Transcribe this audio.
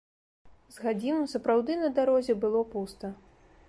З гадзіну сапраўды на дарозе было пуста.